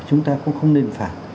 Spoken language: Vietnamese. chúng ta cũng không nên phải